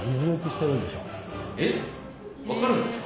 えっわかるんですか？